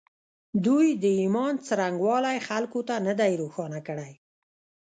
دوی د ایمان څرنګوالی خلکو ته نه دی روښانه کړی